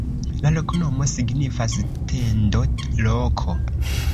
La loknomo signifas: tendo-loko.